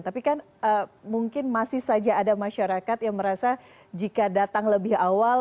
tapi kan mungkin masih saja ada masyarakat yang merasa jika datang lebih awal